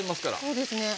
そうですね。